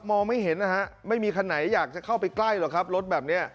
มองไม่เห็นนะฮะไม่มีคันไหนอยากจะเข้าไปใกล้หรอกครับรถแบบนี้